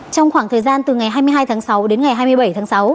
trong khoảng thời gian từ ngày hai mươi hai tháng sáu đến ngày hai mươi bảy tháng sáu